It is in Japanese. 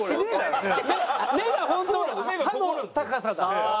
目がホント歯の高さだ。